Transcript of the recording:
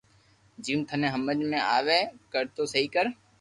جيم ٿني ھمج مي آوي ڪر تو سھي ڪر